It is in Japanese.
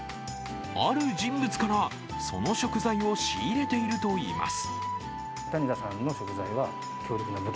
ある人物からその食材を仕入れているといいます。